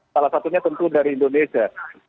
salah satunya tentu dari indonesia